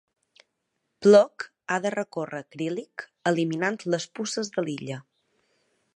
Plok ha de recórrer Akrillic eliminant les puces de l'illa.